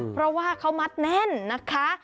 เพราะว่าเขามัดแน่นนะคะ